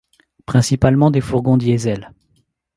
Principalement des fourgons diesel.